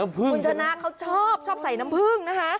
มนชนะเขาชอบใส่น้ำผึ้งนะคะ